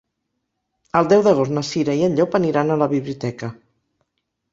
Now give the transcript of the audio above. El deu d'agost na Cira i en Llop aniran a la biblioteca.